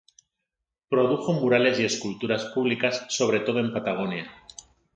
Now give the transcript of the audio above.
Produjo murales y esculturas públicas sobre todo en Patagonia.